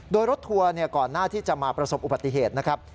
โดยรถทัวร์ก่อนหน้าที่จะมาประสบอุบัติเหตุนะครับ